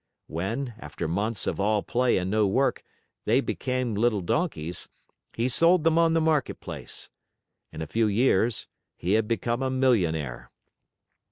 When, after months of all play and no work, they became little donkeys, he sold them on the market place. In a few years, he had become a millionaire.